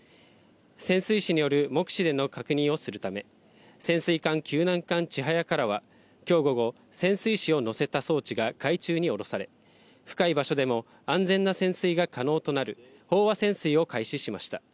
潜水士による目視での確認をするため、潜水艦救難艦ちはやからは、きょう午後、潜水士を乗せた装置が海中に下ろされ、深い場所でも安全な潜水が可能となる飽和潜水を開始しました。